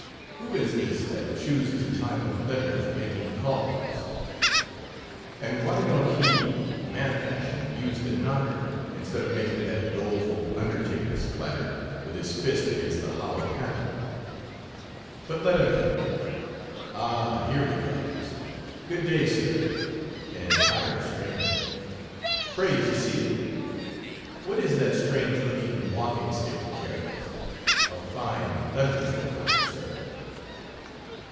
Who is this that chooses a time of thunder for making calls? And why don't he, man fashion, use the knocker, instead of making that doleful undertaker's clatter with his fist against the hollow panel? But let him in. Ah, here he comes. "Good day, sir:" an entire stranger. "Pray be seated." What is that strange looking walking stick he carries: "A fine thunder storm, sir."